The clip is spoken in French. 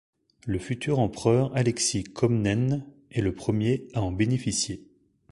Le futur empereur Alexis Comnène est le premier à en bénéficier.